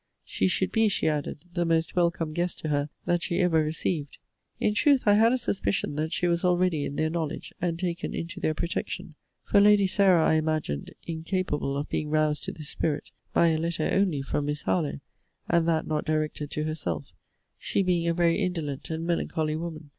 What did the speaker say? She should be, she added, the most welcome guest to her that she ever received. In truth, I had a suspicion that she was already in their knowledge, and taken into their protection; for Lady Sarah I imagined incapable of being roused to this spirit by a letter only from Miss Harlowe, and that not directed to herself; she being a very indolent and melancholy woman.